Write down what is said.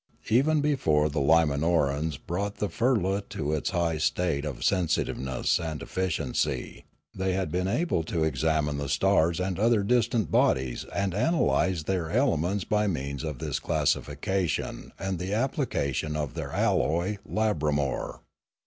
Even before the Limanorans brought the firla to its high state of sensitiveness and efficiency, they had been able to examine the stars My Education Continued 259 and other distant bodies and analyse their elements by means of this classification and the application of their alloy, labramor.